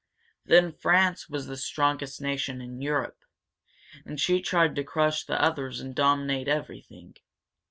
Then France was the strongest nation in Europe. And she tried to crush the others and dominate everything.